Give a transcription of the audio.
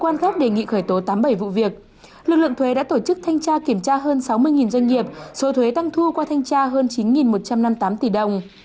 lực lượng thuế đã tổ chức thanh tra kiểm tra hơn sáu mươi doanh nghiệp số thuế tăng thu qua thanh tra hơn chín một trăm năm mươi tám tỷ đồng